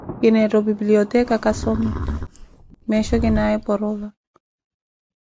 kineettha opipilioteeka kasome, meesho kinaaye porova.